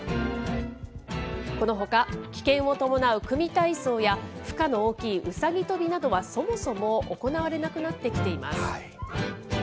このほか、危険を伴う組み体操や負荷の大きいうさぎ跳びなどは、そもそも行われなくなってきています。